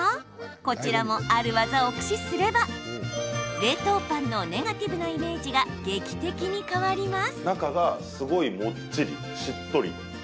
こちらもある技を駆使すれば冷凍パンのネガティブなイメージが劇的に変わります。